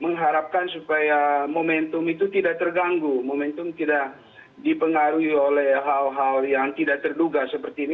mengharapkan supaya momentum itu tidak terganggu momentum tidak dipengaruhi oleh hal hal yang tidak terduga seperti ini